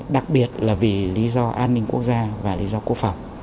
đặc biệt là vì lý do an ninh quốc gia và lý do quốc phòng